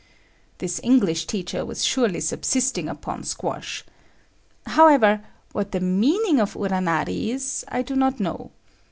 This English teacher was surely subsisting upon squash. However, what the meaning of "uranari" is, I do not know.